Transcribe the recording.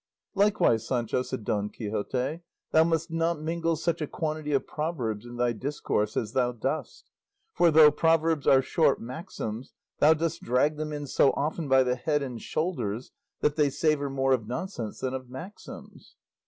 "Likewise, Sancho," said Don Quixote, "thou must not mingle such a quantity of proverbs in thy discourse as thou dost; for though proverbs are short maxims, thou dost drag them in so often by the head and shoulders that they savour more of nonsense than of maxims."